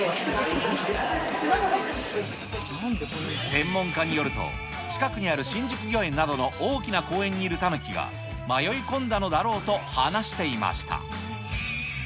専門家によると、近くにある新宿御苑などの大きな公園にいるタヌキが迷い込んだのだろうと話していました。